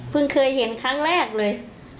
เคยเห็นครั้งแรกเลย